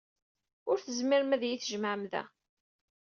Ur tezmirem ad iyi-tjemɛem da.